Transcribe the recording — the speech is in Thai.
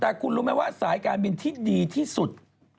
แต่คุณรู้ไหมว่าสายการบินที่ดีที่สุด